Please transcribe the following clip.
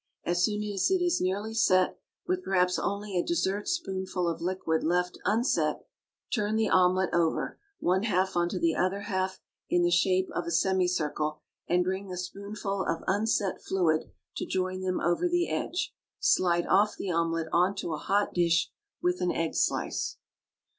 As soon as it is nearly set, with perhaps only a dessertspoonful of liquid left unset, turn the omelet over, one half on to the other half, in the shape of a semicircle, and bring the spoonful of unset fluid to join them over the edge. Slide off the omelet on to a hot dish with an egg slice.